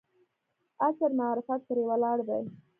عصر معرفت پرې ولاړ دی.